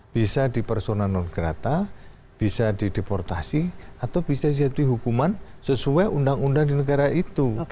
bisa di personan non gerata bisa di deportasi atau bisa disiapkan hukuman sesuai undang undang di negara itu